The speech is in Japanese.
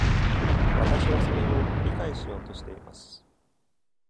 私はそれを理解しようとしています。